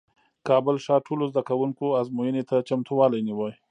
کابل ښار ټولو زدکوونکو ازموینې ته چمتووالی نیوه